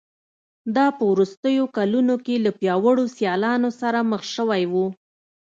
دا په وروستیو کلونو کې له پیاوړو سیالانو سره مخ شوی و